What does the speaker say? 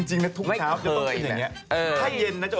ให้เยอะ